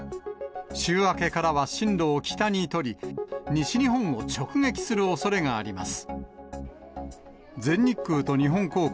週明けからは進路を北に取り、西日本を直撃するおそれがあります。